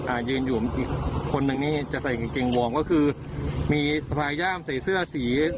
อ่ายืนหนึ่งนี้จะใส่เกียรติเวิร์นก็คือมีสะพาย่ามใส่เสื้อสี